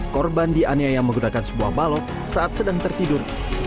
korban dianiaya menggunakan sebuah balok saat sedang tertidur